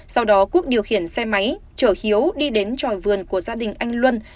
sau đó quốc điều khiển xe máy chở hiếu đi đến tròi vườn của gia đình anh luân